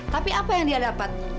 tapi apa yang dia dapat